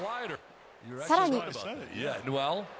さらに。